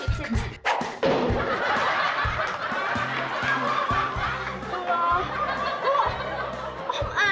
bisa dipotong tutup kepala yuk